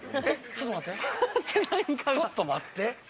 ちょっと待って。